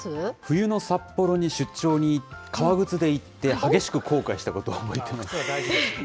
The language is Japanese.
冬の札幌に出張に革靴で行って、激しく後悔したことを覚えて靴は大事です。